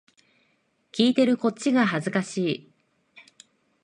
聞いてるこっちが恥ずかしい